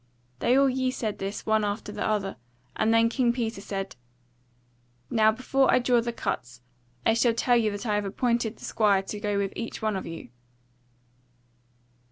They all yeasaid this one after the other; and then King Peter said: "Now before I draw the cuts, I shall tell you that I have appointed the squires to go with each one of you.